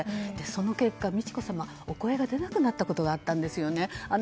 その結果、美智子さまはお声が出なくなったことがあったんです。